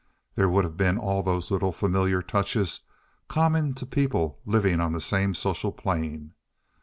There would have been all those little familiar touches common to people living on the same social plane.